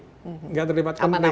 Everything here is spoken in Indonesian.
tidak terlibat konflik